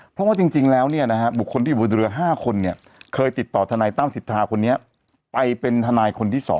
เพราะว่าจริงแล้วบุคคลที่อยู่บนเรือ๕คนเคยติดต่อทนายตั้มสิทธาคนนี้ไปเป็นทนายคนที่๒